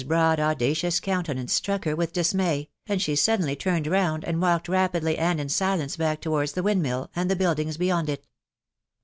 broad audacious oottnten— ct rtnuk her with dismay, and she suddenly turned round, and wattsd rapidly and in silence bock towards the windmill, a&di the buildings beyond it.